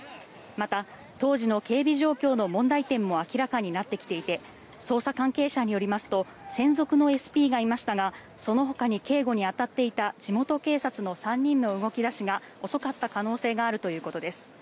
また、当時の警備状況の問題点も明らかになってきていて捜査関係者によりますと専属のＳＰがいましたがそのほかに警護に当たっていた地元警察の３人の動き出しが遅かった可能性があるということです。